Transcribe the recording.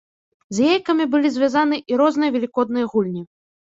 З яйкамі былі звязаны і розныя велікодныя гульні.